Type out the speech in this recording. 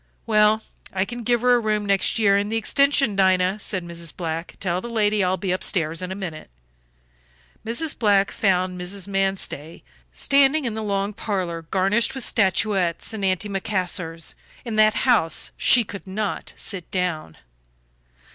Well, I can give her a room next year in the extension. Dinah," said Mrs. Black, "tell the lady I'll be upstairs in a minute." Mrs. Black found Mrs. Manstey standing in the long parlor garnished with statuettes and antimacassars; in that house she could not sit down.